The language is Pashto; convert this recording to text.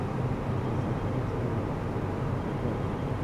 افغانستان د طبیعي زیرمې کوربه دی.